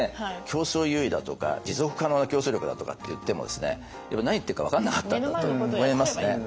競争優位だとか持続可能な競争力だとかって言っても何言ってるか分からなかったんだと思いますね。